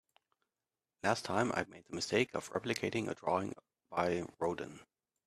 Last time, I made the mistake of replicating a drawing by Rodin.